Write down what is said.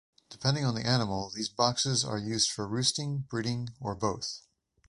Depending on the animal, these boxes are used for roosting, breeding, or both.